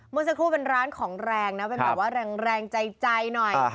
เมื่อสักครู่เป็นร้านของแรงนะเป็นแบบว่าแรงใจหน่อย